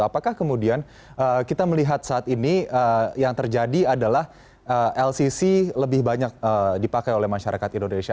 apakah kemudian kita melihat saat ini yang terjadi adalah lcc lebih banyak dipakai oleh masyarakat indonesia